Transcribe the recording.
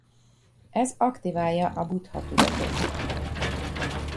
Ez aktiválja a buddha-tudatot.